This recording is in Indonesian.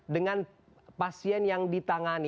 dengan pasien yang ditangani